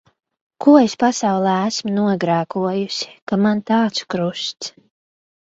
Ko es pasaulē esmu nogrēkojusi, ka man tāds krusts.